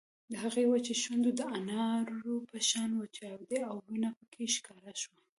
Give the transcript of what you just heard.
د هغې وچې شونډې د انارو په شان وچاودېدې او وينه پکې ښکاره شوه